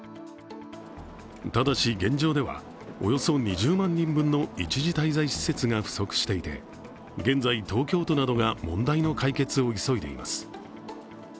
ただし、現状ではおよそ２０万人分の一時滞在施設が不足していて、現在、東京都などが問題の解決を急いでいます。